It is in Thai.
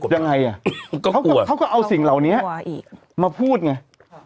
ยังไงอ่ะเขาก็เอาสิ่งเหล่านี้มาพูดไง